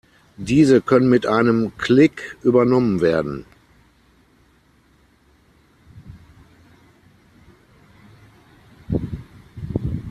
Diese können mit einem Klick übernommen werden.